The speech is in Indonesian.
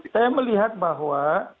saya melihat bahwa